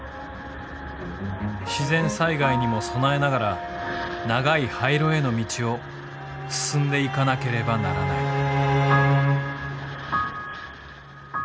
自然災害にも備えながら長い廃炉への道を進んでいかなければならない。